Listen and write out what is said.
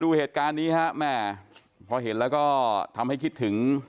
ดูเหตุการณ์นี้ฮะแม่พอเห็นแล้วก็ทำให้คิดถึง